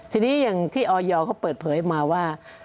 ทีนี้อย่างที่ออยเขาเปิดเผยมาว่า